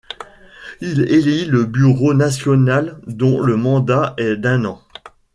Il élit le bureau national dont le mandat est d'un an.